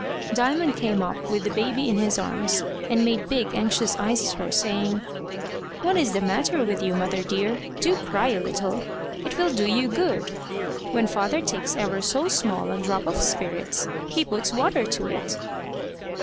Diamond came up with the baby in his arms and made big anxious eyes at her, saying "What is the matter with you, mother dear? Do cry a little. It will do you good. When father takes ever so small a drop of spirits, he puts water to it."